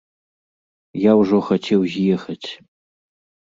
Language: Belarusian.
Я ўжо хацеў з'ехаць.